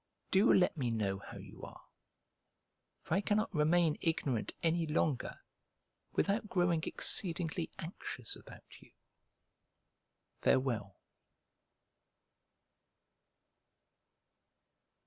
Do let me know how you are; for I cannot remain ignorant any longer without growing exceedingly anxious about you. Farewell.